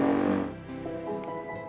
ya kita ke sekolah